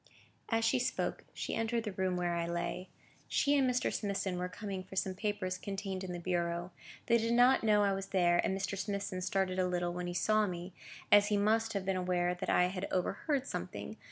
As she spoke, she entered the room where I lay. She and Mr. Smithson were coming for some papers contained in the bureau. They did not know I was there, and Mr. Smithson started a little when he saw me, as he must have been aware that I had overheard something.